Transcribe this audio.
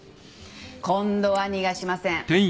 今度は逃がしません。